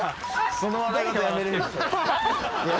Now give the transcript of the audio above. その笑い方やめられるでしょ。